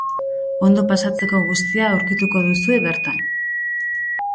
Ondo pasatzeko guztia aurkituko duzue bertan.